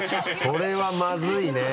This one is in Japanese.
それはまずいね。